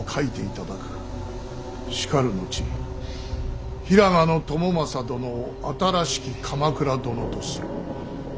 しかる後平賀朝雅殿を新しき鎌倉殿とする。